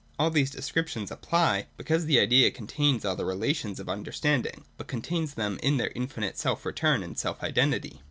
All these descriptions apply, because the Idea contains all the relations of understanding, but contains them in their infinite self return and self identity.